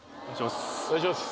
お願いします